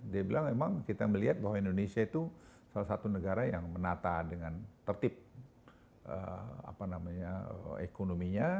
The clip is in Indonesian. dia bilang memang kita melihat bahwa indonesia itu salah satu negara yang menata dengan tertib ekonominya